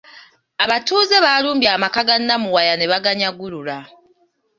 Abatuuze baalumbye amaka ga Namuwaya ne baganyagulula.